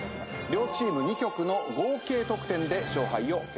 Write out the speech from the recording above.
両チーム２曲の合計得点で勝敗を決します。